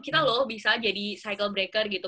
kita loh bisa jadi cycle breaker gitu